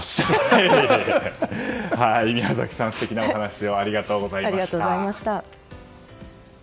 宮崎さん、素敵なお話をありがとうございました。